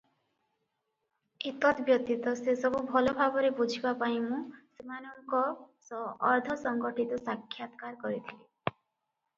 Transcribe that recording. ଏତଦ୍ ବ୍ୟତୀତ ସେସବୁ ଭଲ ଭାବରେ ବୁଝିବା ପାଇଁ ମୁଁ ସେମାନନଙ୍କ ସହ ଅର୍ଦ୍ଧ-ସଂଗଠିତ ସାକ୍ଷାତକାର କରିଥିଲି ।